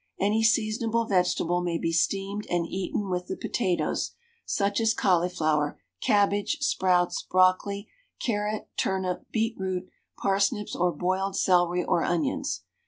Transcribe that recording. Any seasonable vegetable may be steamed and eaten with the potatoes, such as cauliflower, cabbage, sprouts, broccoli, carrot, turnip, beetroot, parsnips, or boiled celery, or onions.